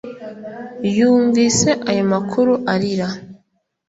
Yumvise ayo makuru arira